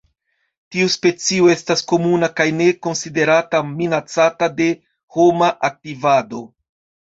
Tiu specio estas komuna kaj ne konsiderata minacata de homa aktivado.